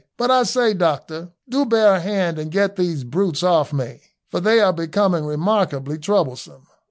"But I say, doctor, do bear a hand and get these brutes off me, for they are becoming remarkably troublesome."